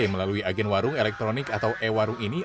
melalui agen warung elektronik atau e warung ini